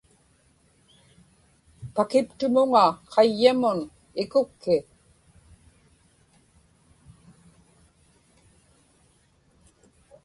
pakiptumuŋa qayyamun ikukki